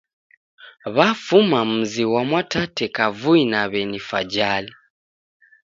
Wafuma mzi ghwa Mwatate kavui na kwa w'eni Fajali.